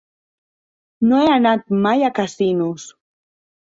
No he anat mai a Casinos.